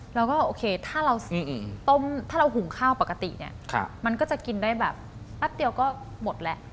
เราก็โอเคถ้าเราต้มถ้าเราหุงข้าวปกติเนี่ยมันก็จะกินได้แบบแป๊บเดียวก็หมดแล้ว